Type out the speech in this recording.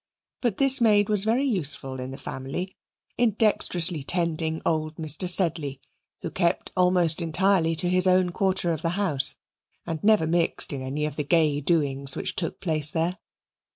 But this maid was very useful in the family, in dexterously tending old Mr. Sedley, who kept almost entirely to his own quarter of the house and never mixed in any of the gay doings which took place there.